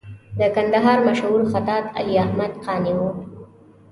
د کندهار مشهور خطاط علي احمد قانع و.